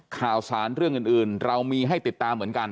ข่าวสารเรื่องอื่นเรามีให้ติดตามเหมือนกัน